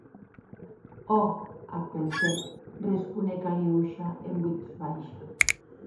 Òc, ac pensè, responec Aliosha en votz baisha.